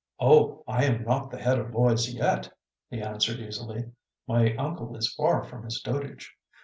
"Oh, I am not the head of Lloyd's yet," he answered, easily. "My uncle is far from his dotage.